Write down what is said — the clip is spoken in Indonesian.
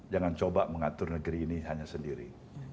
jangan coba mengatur negeri ini hanya sendiri